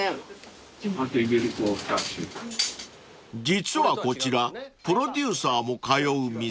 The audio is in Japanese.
［実はこちらプロデューサーも通う店］